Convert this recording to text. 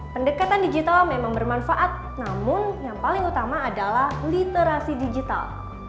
pendekatan digital memang bermanfaat namun yang paling utama adalah literasi digital